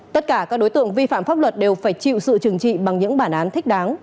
tất cả các đối tượng vi phạm pháp luật đều phải chịu sự trừng trị bằng những bản án thích đáng